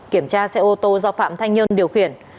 kiểm tra xe ô tô do phạm thanh nhơn điều khiển